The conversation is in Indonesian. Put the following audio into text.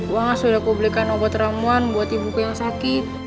uangnya sudah kubelikan obat ramuan buat ibuku yang sakit